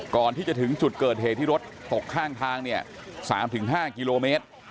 ก่อนที่จะถึงจุดเกิดเหตุที่รถตกข้างทางเนี่ย๓๕กิโลเมตร